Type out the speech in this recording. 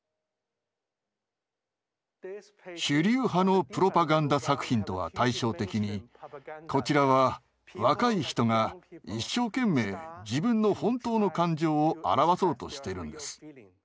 主流派のプロパガンダ作品とは対照的にこちらは若い人が一生懸命自分の本当の感情を表そうとしてるんです。